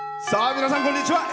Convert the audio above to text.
皆さんこんにちは。